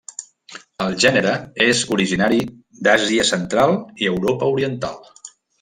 El gènere és originari d'Àsia Central i Europa oriental.